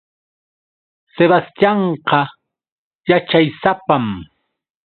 Sebastianqa yaćhaysapam.